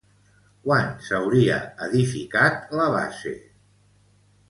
Quan s'hauria edificat la base?